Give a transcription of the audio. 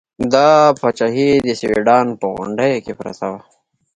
دا پاچاهي د سوډان په غونډیو کې پرته وه.